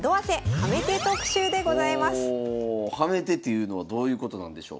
ハメ手というのはどういうことなんでしょう？